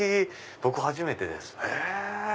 僕初めてです。